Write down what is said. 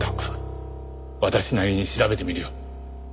私なりに調べてみるよ。